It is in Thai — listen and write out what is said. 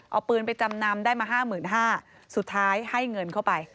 เอาปืนไปจำนำได้มา๕๕๐๐บาทสุดท้ายให้เงินเข้าไป